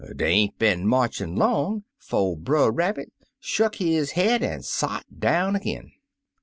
Dey ain't been march in' long 'fo' Brer Rabbit shuck his head an' sot down ag'in.